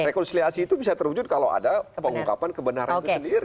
rekonsiliasi itu bisa terwujud kalau ada pengungkapan kebenaran itu sendiri